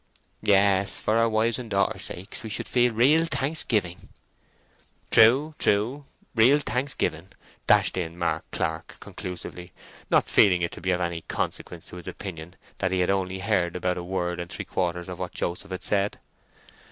Yes, for our wives' and daughters' sakes we should feel real thanksgiving." "True, true,—real thanksgiving!" dashed in Mark Clark conclusively, not feeling it to be of any consequence to his opinion that he had only heard about a word and three quarters of what Joseph had said.